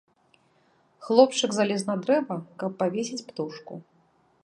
Хлопчык залез на дрэва, каб павесіць птушку.